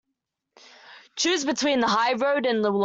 Choose between the high road and the low.